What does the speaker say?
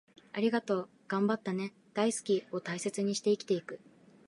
『ありがとう』、『頑張ったね』、『大好き』を大切にして生きていく